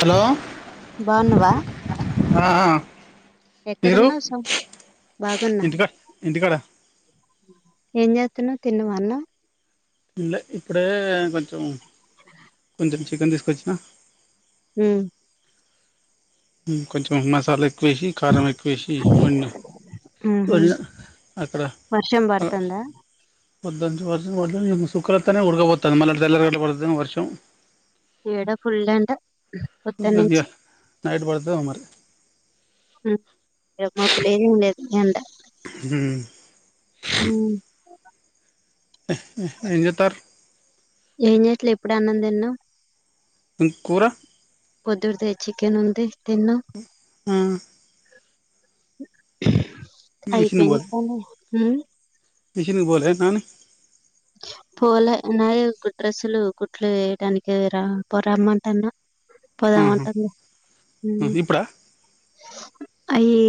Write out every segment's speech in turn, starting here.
Hello బా ఉన్నావా ఆ ఆ మీరు ఎక్కడున్నా స బాగున్నా ఇంటికా ఇంటికాడ ఏమ్ జెతున్నావు తిన్నావా అన్నం తిన్లే ఇప్పుడే కొంచం వెళ్లి చికెన్ తీసుకొచ్చనా ఉ ఉ కొంచెం మసాలా ఎక్కువ వేసి కారం ఎక్కువేసి వండిన ఉహు [unintelligible] అక్కడ వర్షం ఆ పడుతుందా వదంటే వద్దు వద్దు ఏమో సుక్కలతన్నాయి ఉుడుగబోతది మళ్ళా తెల్లార్ధనక పడుతదేమో వర్షం ఇడా ఫుల్లేట ఇగ పోదనూచి నైట్ పడుతదేమో మరి ఉ మబ్బులేం లేదు ఎండ ఉమ్ [unintelligible] ఎంజేతరు ఏం చేయట్లే ఇప్పుడు అన్నం తిన్న ఏ కూరా పొద్దుడిదే చికెన్ ఉంది తిన్న ఆ అయిపోయింది పని మిషినికి బోలే నాని [inaudible] పోలే నాయే డ్రెస్సులు కుట్లు వేయడానికి రా పో రమ్మంటన్నా ఆహా పోదమంటానా ఇప్పుడా అయ్యి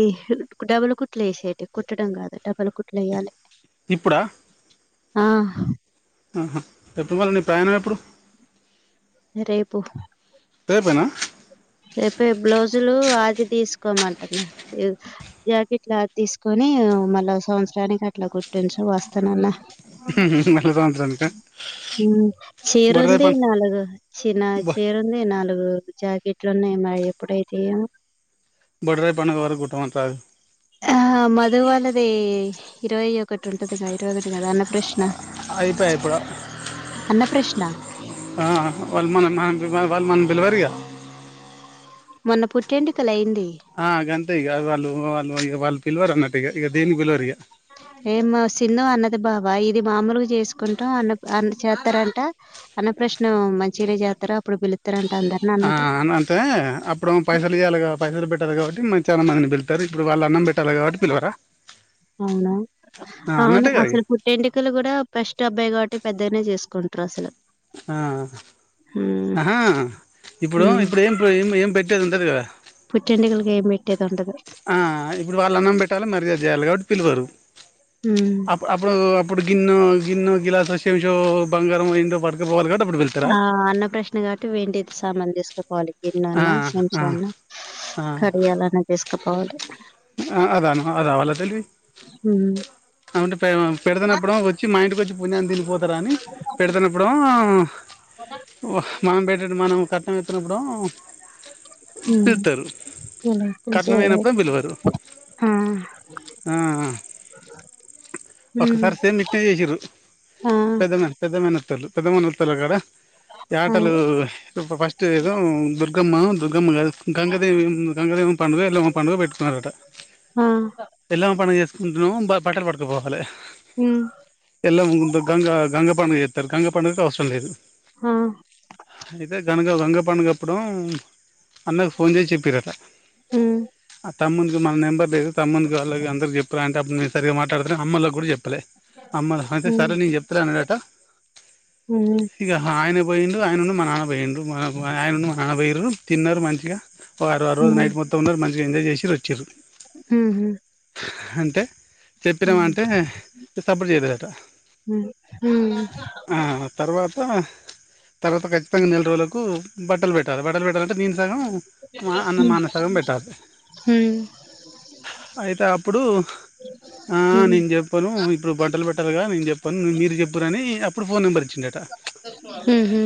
డాబాలు కుట్లు వేసేటియి కుట్టడం కాదు డాబాలు కుట్లు వేయ్యాలి ఇప్పుడా చెప్ప మళ్ళ నీ ప్రయాణం ఎప్పుడు రేపు రేపేనా రేపే బ్లౌజులు ఆది తీసుకోమంటన్న జాకెట్లు ఆది తీసుకొని అనీ మళ్ళా సంవత్సరానికి అట్లా కుట్టుంచు వస్తానన్న హ హ మల్ల సంవత్సరానిక చీరుంది నాలుగు చినా బొ చీరుంది నాలుగు జా ఇట్లు ఉన్నాయి మరి ఎప్పుడైతయో బడ ర పనికికు వర కుట్టంమంటారు [unintelligible] ఆ మధు వాళ్ళది ఇరవై ఒకటి ఉంటదిగా ఇరవై ఒకటి కదా అన్న ప్రశ్న అయిపాయ ఇప్పుడు అన్న ప్రశ్న ఆ వాళ్ళు మనం వాల్ మనల్ని పిల్వరిగ మొన్న పుట్టెంటుకలైంది ఆ గంతే ఇగ వాళ వాళ్ళ వాళ పిల్వర్ అన్నటిగా ఇక దేని కి పిల్వరిగా నేను మా శీను అన్నకి అద బాబ ఇది మామలుగా చేసుకుంటాం అన్న అ చేస్తారంట అన్న ప్రశ్న మంచిగనే వతర అప్పుడు పిళతర ఆ అంటే అప్పుడు ఏమో పైసలు ఇయాలిగా పైసలు పెట్టాలి కాబట్టి మ చాలామందిని పిలుతారు ఇప్పుడు వాళ్లు అన్నం పెట్టాలి కాబట్టి పిలవరా అవునా ఆ అవును అన్నట్టే కదా ఇగ అసలు పుట్టు వెంటుకలు కూడా ఫస్ట్ అబ్బాయి కాబట్టి అంటే పెద్దగనే చేసుకుంటరు అసలు ఆ హ్మ్. ఆహా ఇప్పుడు హ్మ్. ఇప్పుడు ఏం ఏం పెట్టేది ఉండదు కదా చెండలుగ మెట్టది [unintelligible] ఆ ఇప్పుడు వాళ్ళు అన్నం పెట్టాలి మర్యాద చేయాలి కాబట్టి పిలవరు హ్మ్. అప్పుడు అప్పుడు ఇప్పుడు గిన్నె గిన్నె గిలాస శేంషో బంగారం ఏందో పట్టకపోవాలి కాబట్టి అప్పుడు వెళ్తారా ఆ అన్న ప్రశ్న కాబట్టి వెండిది సామాను తీసుకపోవాలి ఆ గిన్నన్నా ఆ చంచాఅన్నా ఆ కడియాలన్నా తీసుకపోవాలి అదాను అదావాలా తెలివి హ్మ్. అవును పెడుతునప్పుడు వచ్చి మా ఇంటికి వచ్చి పుణ్యాన్నికి తినిపోతారా అని పెడుతున్నప్పుడు ఏమో మనం పెట్టె మనం కట్నం ఇతున్నప్పుడు ఏమో హ్మ్. పిలతారు ఇలా కట్నం పిలిచేది. మీయనప్పుడు పిలవరు ఆ హ్మ్. ఒకసారి సేమ్ ఇట్నే చేసిరు ఆ! పెద్ద మ పెద్ద పెమ నత్తలు పెదమనత్తలు కూడా ఈ ఆటలు అదే. ఫస్ట్ ఏదో దుర్ దుర్గమ్మ దుర్గమ్మ గ గంగదేవి గంగదేవం పండుగ ఎలమ్మ పండుగ పెట్టుకున్నారట ఆ! ఎల్లమ్మ పండుగ చేసుకుంటేనేమో బట్టలు పట్టుకపోవాలి హ్మ్. ఎలా ఉ గంగ గంగ పండుగ చేతారు గంగ పండుగ కి అవసరం లేదు ఆ కనుక గంగ పండుగ అప్పుడేమో అన్నకు ఫోన్ చేసి చెప్పిరట హ తమ్ముని కి మన నెంబర్ లేదు తమ్ముని కి వాళ్ళకి అందరికి చెప్పురా అంటే అప్పుడు నేను సరిగ్గా మాట్లాడతలేదు అమ్మోల కి కూడా చెప్పు లే అ అయితే హ్మ్. సరే నేను చెప్తలె అన్నడట హ్మ్. ఇక ఆయనే పోయి ఆయనను మా నాన పోయిర్రు ఆయనను మా నాన్న పోయిర్రు తిన్నరు మంచిగా ఆ రోజు ఆరోజు నైట్ మొత్తం ఉన్నరు మంచిగా ఎంజాయ్ చేసిర్రు వచ్చిర్రు హ అంటే చెప్పినాము అంటే సపోర్ట్ చేయలేదట హ్మ్. హ్మ్. ఆ తర్వాత తర్వాత ఖచ్చితంగా నెల రోజులకు బట్టలు పెట్టాలి బట్టలు పెట్టాల నేను సగం అన్న మ అన్న సగం పెట్టలే హ అయితే అప్పుడు ఆ హ్మ్. నేను చెప్పాను ఇప్పుడు బట్టలు పెట్టాలిగా నేను చెప్పాను మీరు చెప్పురని అప్పుడు ఫోన్ నెంబర్ ఇ చ్చిందట హుహు.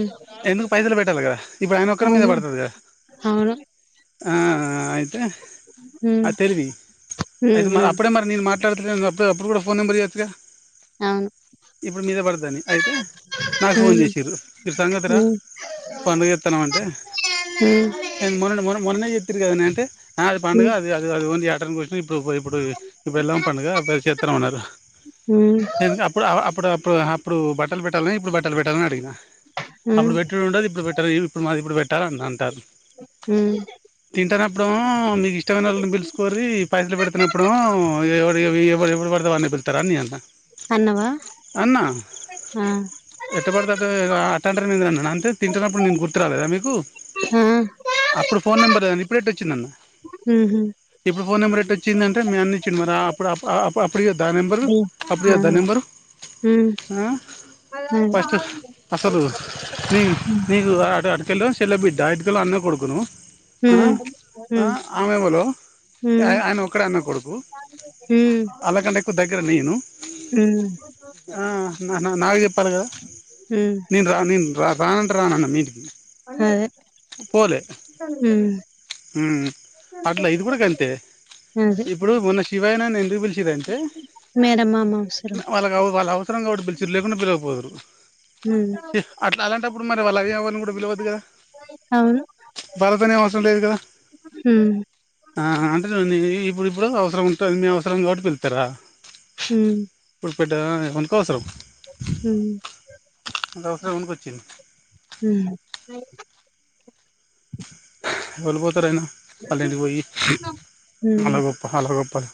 ఎందుకు పైసలు పెట్టాలి కదా ఇప్పుడు ఆయన ఒక్కరి మీద అవును. పడుతుంది కదా అవును ఆ అయితే హ్మ్ తెరివి హ్మ్. అయితే మరి హ్మ్. అప్పుడే మరి నేను మాట్లాడుతు అప్పు ఆప్పుడు కూడా ఫోన్ నెంబర్ ఇయొచ్చుగా అవును. ఇప్పుడు మీద పడుతదని అయితే నాకు ఫోన్ హ్మ్ చేసిరు ఇది సంగతిరా హ్మ్ పండుగ చేతనం అంటే హ్మ్ మొన్నే మోనా మొన్ననే చెప్పిరు కదనే అంటే అది పండగ హ్మ్ యాటానీ కోసి ఇప్పుడు ఇప్పుడు బెల్లం పండుగ చేతనం అన్నారు హ్మ్ ఎందుకు అప్పుడు అప్పుడు ఇప్పుడు అప్పుడు బట్టలు పెట్టాలన ఇప్పుడు బట్టలు పెట్టాలన అని అడిగిన అప్పుడు హ్మ్ పెట్టుడు ఉండది ఇప్పుడు పెట్టాలే ఇప్పుడు మాది ఇప్పుడు పెట్టారా అని అంటారు హ్మ్ తింటాన్నప్పుడేమో మీది పిల్సుకోరి పైసలు పెడుతున్నప్పుడు ఎవ ఎవ ఎవడు పెడితే వల్లనే పిళ్తారాని నేను అన్న అన్నవా? అన్న ఆ! ఏట బడితే అట్లా [unintelligible] మీద అన్నాను అంతే తింటున్నప్పుడు నేను గుర్తు రాలేదా మీకు ఆ! అప్పుడు ఫోన్ నెంబర్ లేదు ఇప్పుడేట వచ్చిందన్న హుహు. ఇప్పుడు ఫోన్ నెంబర్ ఎట వచ్చింది అంటే మీ అన్న ఇచ్చింది ఆ మడు అప్పుడు ద నెంబరు డి అప్పుడు ఆ! దా నెంబరు హ్మ్. హ్మ్. పస్ట అసలులు న నకు అ అకళ్లో ఇల్ బిడ్డ అయితుక అన్న కొడుకును హ్మ్ ఆమెవలో హ్మ్. ఆయన ఒకడే అన్న కొడుకు అలాకంటే ఎక్కువ దగ్గర నేను అ ఆ నా నాకు చెప్పాలి కదా హ్మ్. నేను రాను నేను రాను అంటే రాను అన్న మీంటికి హ్మ్ అట్లా ఇది కూడా గంతే అదే ఇప్పుడు మొన్న శివాయన ఎందుకు పిలి చిన్రంటే మేరమ్మ అవసరం. వాళ్ళ కా వాళ్ళ అవసరం కాబట్టి పిలుచిరు లేకుండా పిల్లకపోదురు హ్మ్. అట్లా అలాంటప్పుడు మరి వాళ్ళ అయ్య అవ్వను కూడా పిలవద్దు కదా అవును. భారతనియవాసం లేదు కదా హ్మ్. ఆ అంటే ఇప్పుడు ఇప్పుడు అవసరం ఉంటుంది మీ అవసరం కాబట్టి పిలుతర హ్మ్ ట ఎవని కోసం హ్మ్ [unintelligible] వచ్చింది హ్మ్ ఎవరు పోతారని వాళ్ళింటికి పోయి హ్మ్ అలా గొప్ప అలా గొప్పలు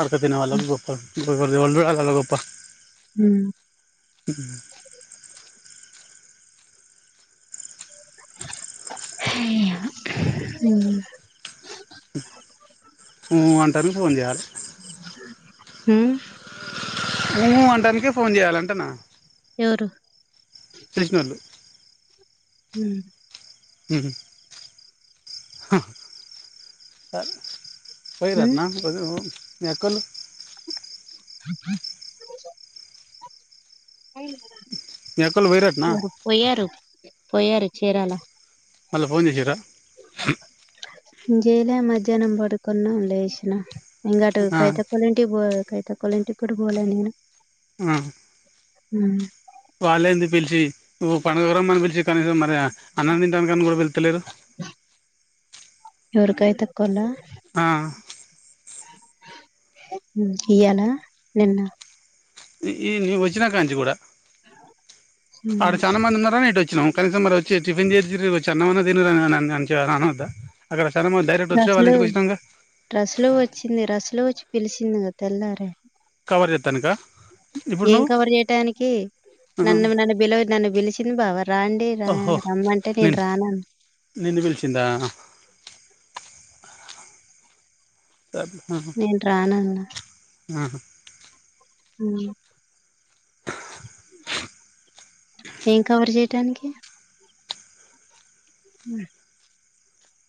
అడకతినే వాళ్ళకు చెప్తారు [unintelligible] హ్మ్ హ్మ్ [unintelligible] ఫోన్ [unintelligible] హు [unintelligible] అంటానికి ఫోన్ చెయాలంటన ఎవరు కృష్ణులు ఉ హు హ్మ్. [unintelligible] మేకలు మీ అక్కళ్ళు పోయిరటనా [unintelligible] పోయారు పోయారు చేరాలా మళ్ళ ఫోన్ చేసిరా ఇంకెల మధ్యాహ్నం పడుకున్న లేచిన ఇంగట కైత కొలింటి కైత కొలింటికి ఇప్పుడు బోలే ఉ వాళ్ళ ఎందుకు పిలిచి నువ్వు పండుగ రమ్మని పిలిచి కనీసం మరియా అన్నం తినడానికి అన్న పిల్తలేదు [unintelligible] ఆ ఇయాల నిన్న వచ్చినా కాంచి కూడ ఆడ హ్మ్. చాల మంది ఉన్నారని ఇటు వచ్చినామ్ కనీసం మరి వచ్చి టిఫిన్ [unintelligible] అన్నమన్నా తినరుని అ వద్దా అక్కడన డైరెక్ట్ వచ్చ వాళ్ళ రసలు ఇంటికి వచ్చాం కదా తెలిసింది గా తెల్లారే కవర్ చేస్తానిక ఏం కవర్ చేయటనికి నువ్వు నన్ను నన్ను బిలవ నన్ను పిలిచింది బావ రాండి ఓహో రమ్మంటే నేను నిన్ను రాను నిన్ను పిలిచిందా నేను రానన్న ఆహా ఉ ఏం కవర్ చేయటానికి ఆ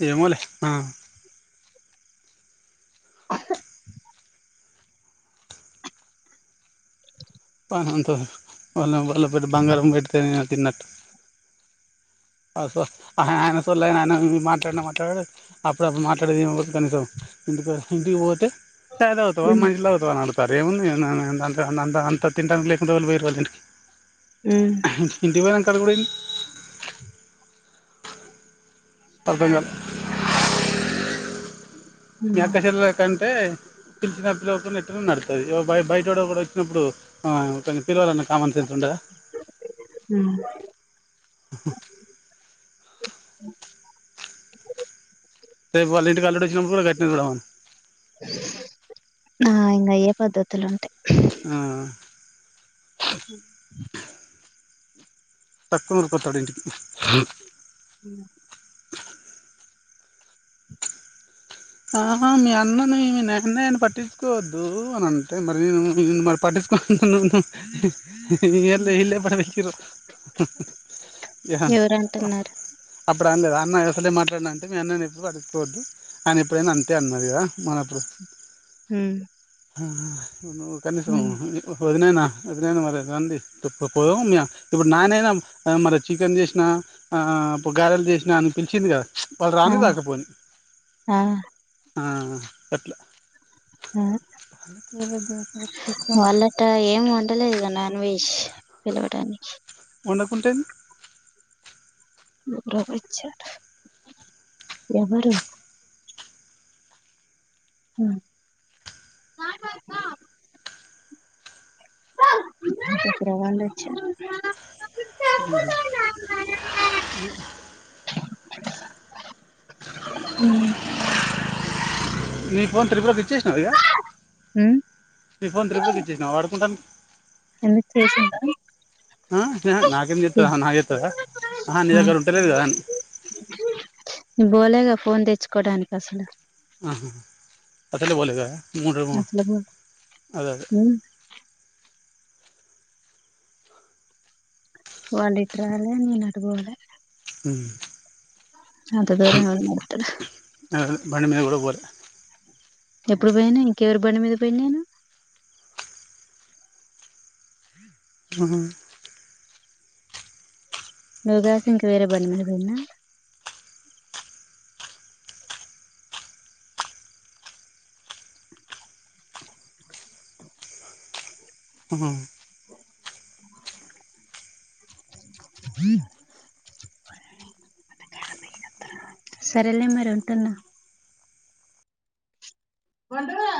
ఏమొలే ఆ పనంతో వాళ్ళ వాళ్ళ పెట బంగారం పెట్టుకొని [unintelligible] ఆహా ఆయన సలే ఆయన ఆయన మాట్లాడిన మాట్లాడ అప్పుడ అప్పుడు మాట్లాడేది కనీసం [unintelligible] ఇంటికి పోతే చాయ్ తాగుతవ ఉమ్ [unintelligible] సరేముంది అ అంత తింటానికి ఉమ్ [unintelligible] ఇంటికి [unintelligible] [inaudible] మీ అక్క చెల్లికి అయితంటే పిలిచిన [unintelligible] నడుతది బయటోడు ఒకడు కూడ వచ్చినప్పుడు పిల్వాలన్న కామన్ సెన్స్ వుండద హ్మ్మ్ రేపు వాళ్ళింటికి అల్లుడు వచ్చినప్పుడు కూడా గట్లనే చూడమను. ఆ ఇంగా అఏ పద్ధతులు ఉంటాయి. ఆ హ టక్కుమని పోతాడు ఇంటికి. హ్మ్మ్ ఆ మీ అన్నని మీ నాయాన్ని పట్టించుకోవద్దు అని అంటే మరి నేను మరి పట్టి. ప్ ఉండు ఎళ్ళ ఇళ్ల్ పటికేసిండ్రు. ఎవరంటున్నారు‌. ఇప్పుడు అనలేదు అన్న అసలే మాట్లాడన అంటే మీ అన్న చెప్పడు అడుక్కొవద్దు. అనీ ఎప్పుడైనా అంటే అన్నాది గా మరిప్పుడు. హ్మ్మ్ ఆ ఉ ఒక్క నిమిషం ఉ ఓ. వదినైనా వదినైనా మరిదండి తప్పు పో ఇప్పుడు నానైనా మరి చికెన్ చేసినా. ఆ అప్పుడు గారలు చేసినా అని పిలిచింది గదా వాళ్ళు ఆ రాని రాకపోని. ఆ ఆ గట్లా. వాళ్ళట్ట ఏం వండలేదు నాన్ వెష్. పిలవటానికి. వండకుంటే ఏమి. లోబ్రిచేట్ట్ ఎవరు. హ్మ్మ్ అ రావాండచ్చా. హ్మ్మ్ నీ ఫోన్ త్రిపురాకిి ఇచ్చేసిన ఇడా. హ్మ్మ్ నీ ఫోన్ త్రీబుల కి ఇచ్చేసినావా వాడుకుంటానీ. ఎందుకు చేసిందా. ఆ నాకేం చే చెత్తదా నాక్ చెత్తదా ఆహా నీ ఆ దగ్గర ఉంటెలేదా. నేను బోలెగా ఫోన్ తెచ్చుకోవడానికి అసలు. ఆహా అసలు బోలేదా. మూడ్రు మూ అసలు బోలే అదే అదే. ఉమ్ వాళ్ళ్ ఇట్రాల నేను అటు బోలె. హ్మ్మ్ అంతా దూరం ఎవరు నడుత్తరు. అదే బండి మీద కూడా పోలా. ఎప్పుడు పోయినా ఇంకెవరి బండి మీద పోయినా నేను. ఆహా నువ్వు గాక ఇంకా వేరే బండి మీద పోయినా. ఆహా. హ సరేలే మరి ఉంటాను. వంద్రు.